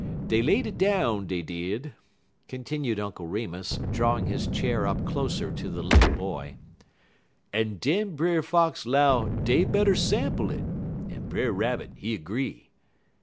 "Dey laid it down, dey did," continued Uncle Remus, drawing his chair up closer to the little boy, "en den Brer Fox 'low dey better sample it, en Brer Rabbit he 'gree.